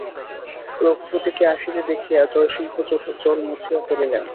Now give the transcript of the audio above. রঘুপতিকে আসিতে দেখিয়া জয়সিংহ চোখের জল মুছিয়া ফেলিলেন।